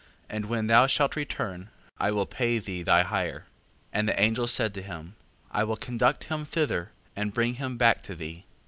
and when thou shalt return, I will pay thee thy hire. 5:15. And the angel said to him: I will conduct him thither, and bring him back to thee.